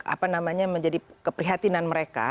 apa namanya menjadi keprihatinan mereka